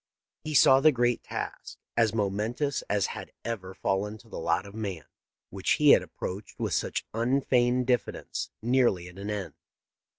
He saw the great task — as momentous as had ever fallen to the lot of man — which he had approached with such unfeigned diffidence, nearlj'^ at an end.